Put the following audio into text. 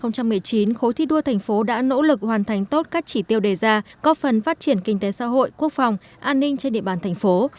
năm hai nghìn một mươi chín khối thi đua thành phố đã nỗ lực hoàn thành tốt các chỉ tiêu đề ra có phần phát triển kinh tế xã hội quốc phòng an ninh trên địa bàn thành phố